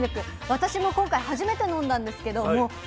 私も今回初めて飲んだんですけどもう衝撃でした。